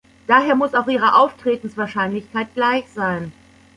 Daher muss auch ihre Auftretenswahrscheinlichkeit gleich sein.